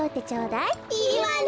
いいわね。